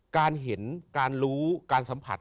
การเห็นการรู้การสัมผัส